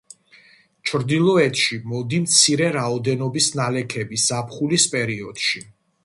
ჩრდილოეთში მოდი მცირე რაოდენობის ნალექები ზაფხულის პერიოდში.